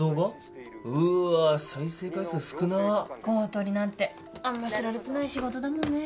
公取なんてあんま知られてない仕事だもんね。